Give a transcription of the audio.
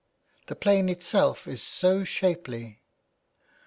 ... The plain itself is so shapely.